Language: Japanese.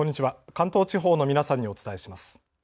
関東地方の皆さんにお伝えします。